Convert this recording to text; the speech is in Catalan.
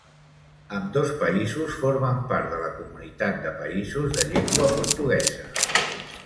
Ambdós països formen part de la Comunitat de Països de Llengua Portuguesa.